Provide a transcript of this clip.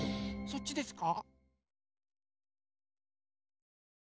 そっちですか？